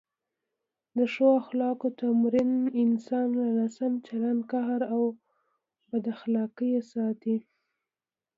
د ښو اخلاقو تمرین انسان له ناسم چلند، قهر او بد اخلاقۍ ساتي.